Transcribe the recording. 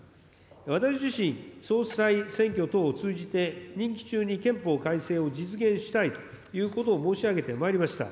私自身、総裁選挙等を通じて、任期中に憲法改正を実現したいということを申し上げてまいりました。